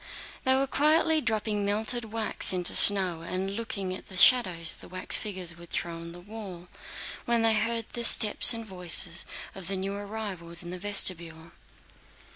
They were quietly dropping melted wax into snow and looking at the shadows the wax figures would throw on the wall, when they heard the steps and voices of new arrivals in the vestibule.